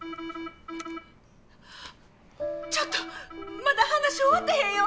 ちょっとまだ話終わってへんよ？